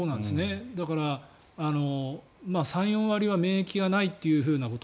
だから、３４割は免疫がないということ。